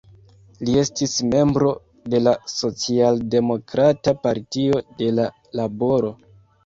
Li estis membro de la socialdemokrata Partio de la Laboro.